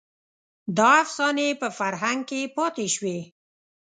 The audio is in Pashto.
دا افسانې په فرهنګ کې پاتې شوې.